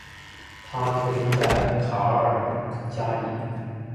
他出生在卡尔加里。